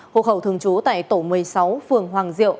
hộ khẩu thường trú tại tổ một mươi sáu phường hoàng diệu